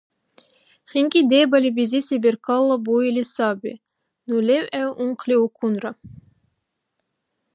ХинкӀи дебали бизиси беркала буили саби. Ну левгӀев ункъли укунра.